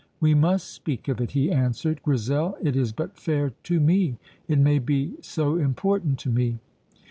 "We must speak of it," he answered. "Grizel, it is but fair to me. It may be so important to me."